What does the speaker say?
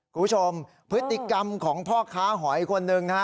คุณผู้ชมพฤติกรรมของพ่อค้าหอยคนหนึ่งนะฮะ